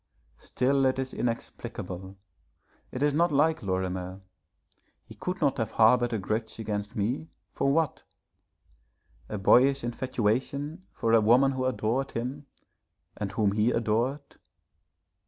Still it is inexplicable, it is not like Lorimer. He could not have harboured a grudge against me for what? A boyish infatuation for a woman who adored him, and whom he adored.